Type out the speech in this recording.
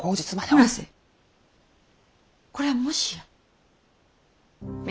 村瀬これはもしや。